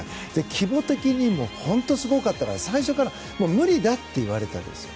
規模的にも本当にすごかったから最初から無理だっていわれていたわけですよ。